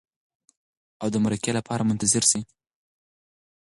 او د مرکې لپاره منتظر شئ.